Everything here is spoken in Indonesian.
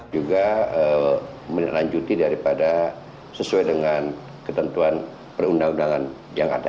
juga menanjuti daripada sesuai dengan ketentuan perundangan perundangan yang ada